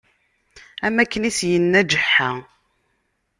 Am akken i s-yenna ğeḥḥa.